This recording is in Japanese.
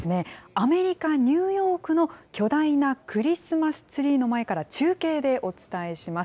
アメリカ・ニューヨークの巨大なクリスマスツリーの前から中継でお伝えします。